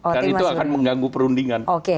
karena itu akan mengganggu perundingan oke